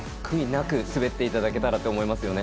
悔いなく滑っていただけたらと思います。